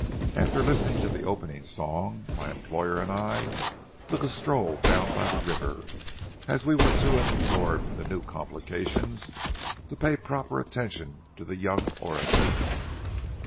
After listening to the opening song, my employer and I took a stroll down by the river, as we were too absorbed in the new complications to pay proper attention to the young orator.